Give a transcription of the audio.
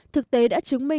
thực tế đã chứng minh